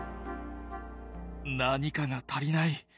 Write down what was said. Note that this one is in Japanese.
何かが足りない。